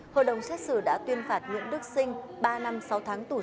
hội đồng xét xử đã tuyên phạt nguyễn đức sinh ba năm sáu tháng tù giam về tội cố ý gây thương tích